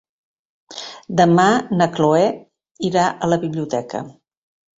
Demà na Cloè irà a la biblioteca.